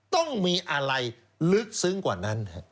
ต้องมีอะไรลึกซึ้งกว่านั้น